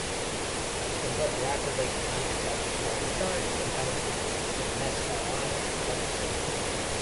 The book rapidly climbed the bestseller charts, and had a sequel, "The Messianic Legacy".